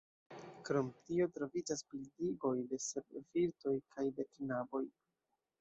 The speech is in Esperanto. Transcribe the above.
Krom tio troviĝas bildigoj de sep virtoj kaj de knaboj.